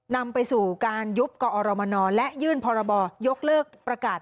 นำไปสู่การยุบกอรมนและยื่นพรบยกเลิกประกาศ